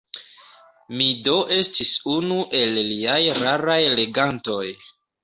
Mi do estis unu el liaj raraj legantoj.